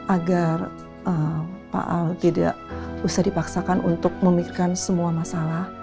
agar tidak usah dipaksakan untuk memikirkan semua masalah